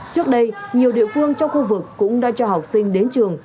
trước đây nhiều địa phương trong khu vực cũng đã cho học sinh đến trường